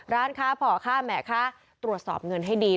ร้านค้าผ่อค่าแหมค่าตรวจสอบเงินให้ดี